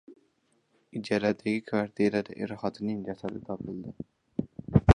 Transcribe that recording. Ijaradagi kvartirada er-xotinning jasadi topildi